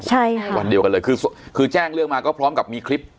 ใช่ค่ะวันเดียวกันเลยคือคือแจ้งเรื่องมาก็พร้อมกับมีคลิป